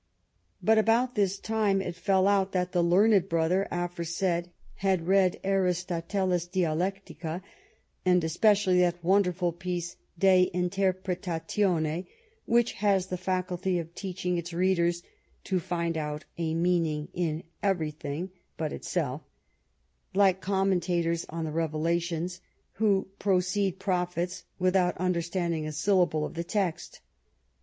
But about this time it fell out, that the learned brother aforesaid had read Aris 287. THE REIGN OF QUEEN ANNE totelis dialectica; and especially that wonderful piece de Interpretatiane which has the faculty of teaching its readers to iind out a meaning in everything but itself ; like commentators on the Revelations, who pro ceed prophets without understanding a syllable of the text.